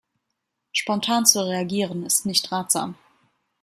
Spontan zu reagieren ist nicht ratsam.